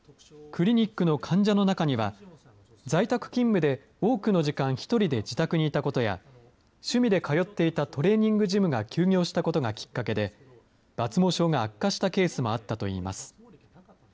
クリニックの患者の中には、在宅勤務で多くの時間、１人で自宅にいたことや、趣味で通っていたトレーニングジムが休業したことがきっかけで、抜毛症が悪化したケースもあったといいます。